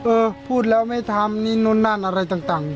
เออพูดแล้วไม่ทำนี่นู่นนั่นอะไรต่าง